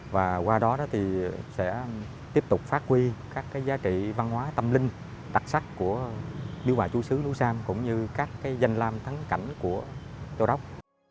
và qua đó sẽ tiếp tục phát huy các giá trị văn hóa tâm linh đặc sắc của điều bà chú sứ lũ sam cũng như các danh lam thắng cảnh của châu đốc